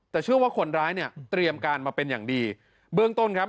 แต่เชื่อว่าคนร้ายเนี่ยเตรียมการมาเป็นอย่างดีเบื้องต้นครับ